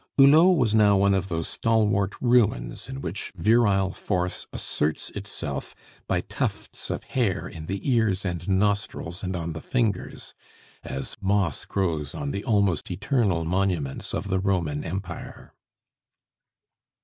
Hulot was now one of those stalwart ruins in which virile force asserts itself by tufts of hair in the ears and nostrils and on the fingers, as moss grows on the almost eternal monuments of the Roman Empire.